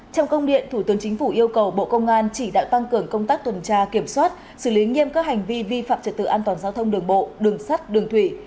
trong công điện thủ tướng chính phủ yêu cầu bộ công an chỉ đạo tăng cường công tác tuần tra kiểm soát xử lý nghiêm các hành vi vi phạm trật tự an toàn giao thông đường bộ đường sắt đường thủy